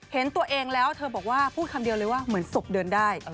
เห็นตัวเองแล้วเธอบอกว่าพูดคำเดียวเลยว่าเหมือนศพเดินได้